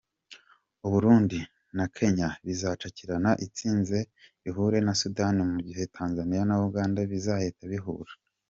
Uburundi na Kenya bizacakirana itsinze ihure na Sudan mugihe Tanzaniya na Uganda bizahita bihura.